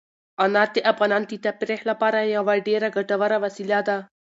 انار د افغانانو د تفریح لپاره یوه ډېره ګټوره وسیله ده.